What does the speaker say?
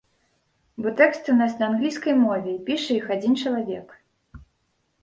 Бо тэксты ў нас на англійскай мове і піша іх адзін чалавек.